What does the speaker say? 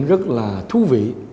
rất là thú vị